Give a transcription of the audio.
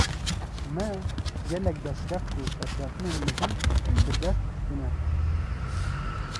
Me, gelek destkeft û serkeftinên mezin bi dest xistine